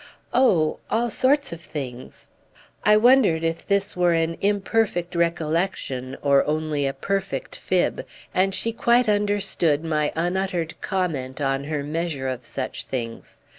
"Oh all sorts of things!" I wondered if this were an imperfect recollection or only a perfect fib, and she quite understood my unuttered comment on her measure of such things.